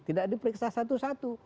tidak diperiksa satu satu